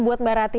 buat mbak rati